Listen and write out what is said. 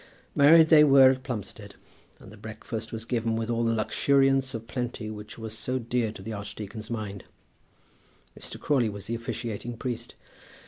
Married they were at Plumstead, and the breakfast was given with all that luxuriance of plenty which was so dear to the archdeacon's mind. Mr. Crawley was the officiating priest.